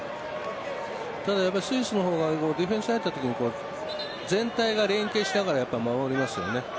ただスイスの方がディフェンス入ったときに全体が連係しながら守りますよね。